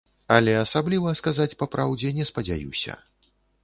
Але асабліва, сказаць па праўдзе, не спадзяюся.